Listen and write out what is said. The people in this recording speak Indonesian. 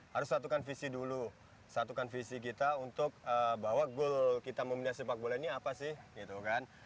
harus satukan visi dulu satukan visi kita untuk bahwa goal kita membina sepak bola ini apa sih gitu kan